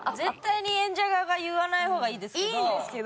いいんですけど。